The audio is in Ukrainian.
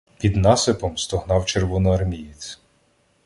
Під насипом стогнав червоноармієць.